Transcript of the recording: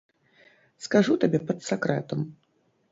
Скажу табе пад сакрэтам.